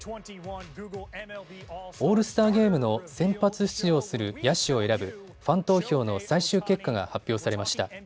オールスターゲームの先発出場する野手を選ぶファン投票の最終結果が発表されました。